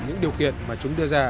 những điều kiện mà chúng đưa ra